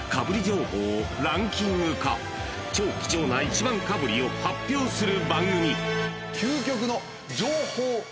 ［超貴重な１番かぶりを発表する番組］